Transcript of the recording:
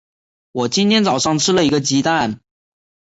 我今天早上吃了一个鸡蛋。